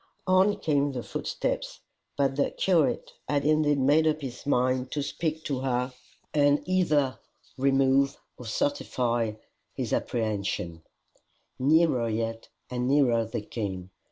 On came the footsteps, for the curate had indeed made up his mind to speak to her, and either remove or certify his apprehensions. Nearer yet and nearer they came.